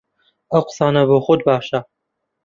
ئەو قسانە بۆ خۆت باشە!